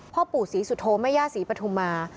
พ่อปู่ศรีสุโธแม่ย่าศรีปฐุมา